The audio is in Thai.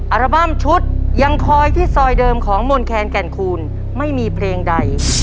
อัลบั้มชุดยังคอยที่ซอยเดิมของมนแคนแก่นคูณไม่มีเพลงใด